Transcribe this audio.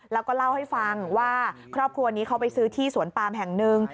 แล้วก็เล่าให้ฟังว่าครอบครัวนี้เขาไปซื้อที่สวนปามแห่งหนึ่ง